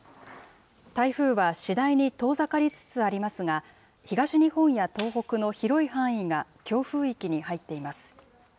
台風は次第に遠ざかりつつありますが、東日本や東北の広い範囲が強風域に入っています。